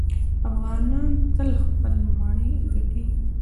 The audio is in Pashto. افغانان تل خپل مړی ګټي.